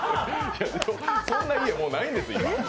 そんな家、もうないんです、今。